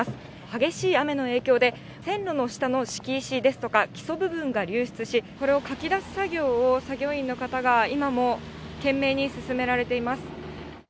激しい雨の影響で、線路の下の敷石ですとか、基礎部分が流出し、これをかき出す作業を、作業員の方が今も懸命に進められています。